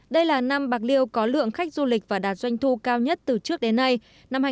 đây là năm bạc liêu có lượng khách du lịch và đạt doanh thu cao nhất từ trước đến nay